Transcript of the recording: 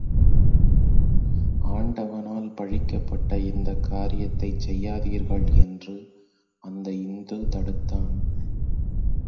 ஆண்டவனால் பழிக்கப்பட்ட இந்தக் காரியத்தைச் செய்யாதீர்கள் என்று அந்த இந்து தடுத்தான்.